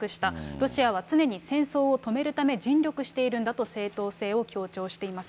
ロシアは常に戦争を止めるため、尽力しているんだと、正当性を強調しています。